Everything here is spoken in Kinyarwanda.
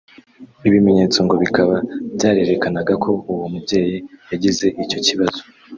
Ibimenyetso ngo bikaba byarerekanaga ko uwo mubyeyi yagize icyo kibazo